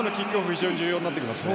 非常に重要になってきますね。